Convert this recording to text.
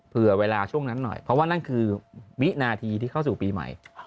เผื่อเวลาช่วงนั้นหน่อยเพราะว่านั่นคือวินาทีที่เข้าสู่ปีใหม่